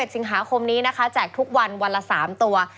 ๑สิงหาคมนี้นะคะแจกทุกวันวันละ๓ตัว